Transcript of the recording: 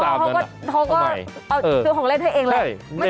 เขาก็เอาซื้อของเล่นให้เองแหละ